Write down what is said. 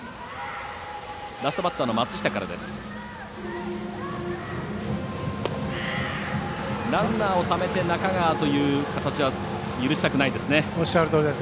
ラストバッターの松下からです。